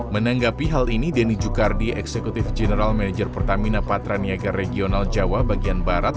menanggapi hal ini denny jukardi eksekutif general manager pertamina patraniaga regional jawa bagian barat